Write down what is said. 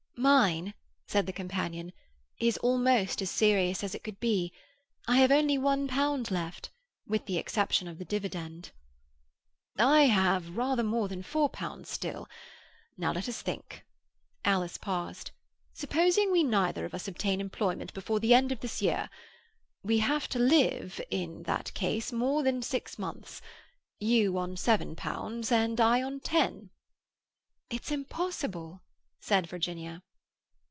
"Mine," said the companion, "is almost as serious as it could be. I have only one pound left, with the exception of the dividend." "I have rather more than four pounds still. Now, let us think," Alice paused. "Supposing we neither of us obtain employment before the end of this year. We have to live, in that case, more than six months—you on seven pounds, and I on ten." "It's impossible," said Virginia.